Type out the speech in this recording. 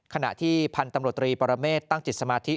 ขณะที่พันธุ์ตำรวจตรีปรเมฆตั้งจิตสมาธิ